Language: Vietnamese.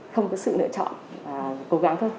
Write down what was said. không có sự lựa chọn cố gắng thôi